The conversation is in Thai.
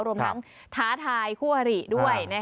รวมทั้งท้าทัยครัวหรี่ด้วย